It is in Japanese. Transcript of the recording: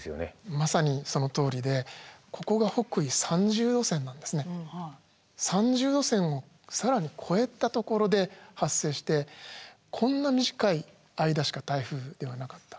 まさにそのとおりでここが３０度線を更に越えた所で発生してこんな短い間しか台風ではなかった。